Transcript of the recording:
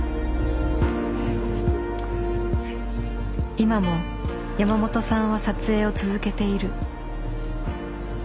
今も山本さんは撮影を続けている。